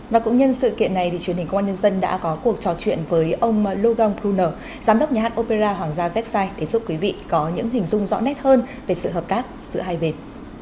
và cũng nhân sự kiện này thì truyền hình công an nhân dân đã có cuộc trò chuyện với ông logon kuner giám đốc nhà hát opera hoàng gia vecsai để giúp quý vị có những hình dung rõ nét hơn về sự hợp tác giữa hai bên